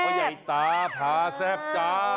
ใหญ่ตาถาแซ่บจ้า